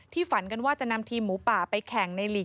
ที่ฝันกันว่าจะนำทีมหมูป่า